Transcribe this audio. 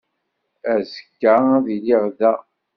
Azekka ad iliɣ da.